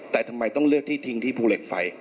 แต่ทำไมต้องเลือกที่ทิ้งที่ภูเหล็กไฟ